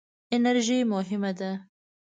انرژي مهمه ده.